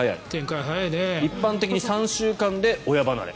一般的に３週間で親離れ。